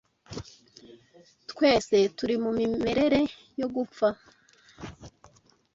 Twese turi mu mimerere yo gupfa